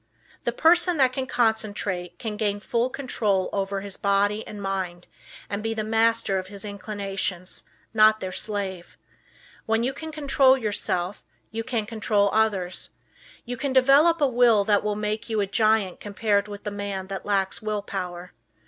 The person that can concentrate can gain full control over his body and mind and be the master of his inclinations; not their slave. When you can control yourself you can control others. You can develop a Will that will make you a giant compared with the man that lacks Will Power.